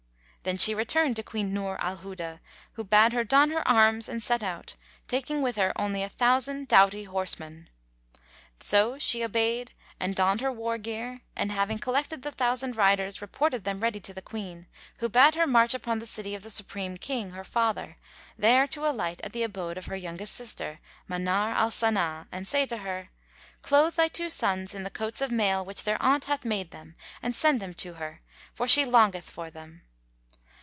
Then she returned to Queen Nur al Huda, who bade her don her arms and set out, taking with her a thousand doughty horsemen. So she obeyed and donned her war gear and having collected the thousand riders reported them ready to the Queen, who bade her march upon the city of the Supreme King, her father, there to alight at the abode of her youngest sister, Manár al Saná[FN#148] and say to her, "Clothe thy two sons in the coats of mail which their aunt hath made them and send them to her; for she longeth for them."